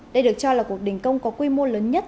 đây được cho là cuộc đình công có quy mô lớn nhất